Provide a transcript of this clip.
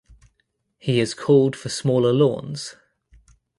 He has called for smaller lawns.